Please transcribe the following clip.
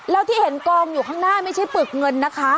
แล้วที่เห็นกองอยู่ข้างหน้าไม่ใช่ปึกเงินนะคะ